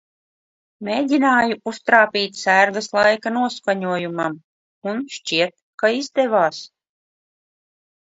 Mēģināju uztrāpīt sērgas laika noskaņojumam, un, šķiet, ka izdevās.